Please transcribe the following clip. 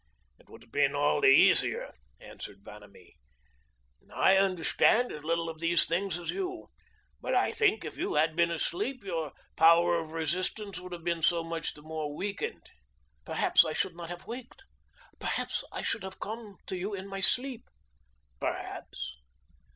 "It would have been all the easier," answered Vanamee. "I understand as little of these things as you. But I think if you had been asleep, your power of resistance would have been so much the more weakened." "Perhaps I should not have waked. Perhaps I should have come to you in my sleep." "Perhaps."